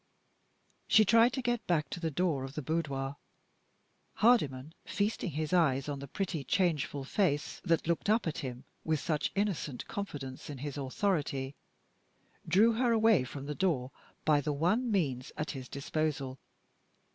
She tried to get back to the door of the boudoir. Hardyman, feasting his eyes on the pretty, changeful face that looked up at him with such innocent confidence in his authority, drew her away from the door by the one means at his disposal.